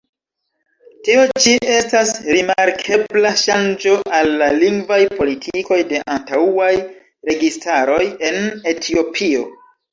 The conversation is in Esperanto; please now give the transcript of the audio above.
Tio ĉi estas rimarkebla ŝanĝo al la lingvaj politikoj de antaŭaj registaroj en Etiopio.